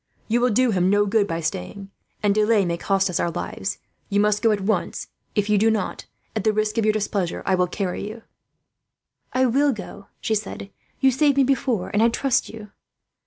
"You will do him no good by staying, and delay may cost us all our lives. You must go at once. If you do not, at the risk of your displeasure, I must carry you." "I will go," she said. "You saved me before, and I trust you."